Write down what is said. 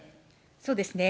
そうですね。